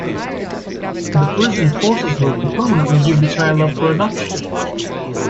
The prison forces her to permanently give the child up for adoption.